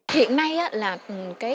hiện nay là